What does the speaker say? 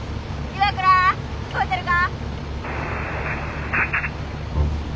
岩倉聞こえるか？